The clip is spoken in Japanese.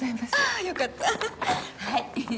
あよかったはい。